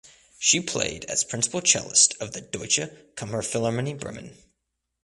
She played as principal cellist of the Deutsche Kammerphilharmonie Bremen.